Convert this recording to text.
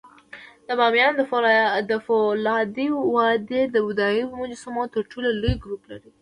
د بامیانو د فولادي وادي د بودایي مجسمو تر ټولو لوی ګروپ لري